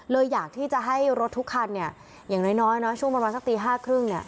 เลยอยากที่จะให้รถทุกคันอย่างน้อยช่วงประมาณสักตี๕ครึ่ง